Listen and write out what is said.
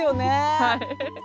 はい。